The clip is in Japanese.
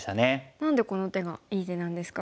何でこの手がいい手なんですか？